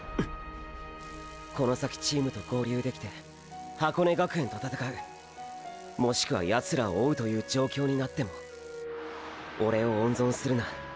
この先チームと合流できて箱根学園と闘うもしくはヤツらを追うという状況になってもオレを温存するな。